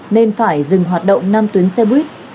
nên phải dừng hoạt động năm tuyến xe buýt